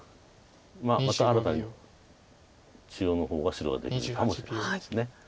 まあまた新たに中央の方は白ができるかもしれないです。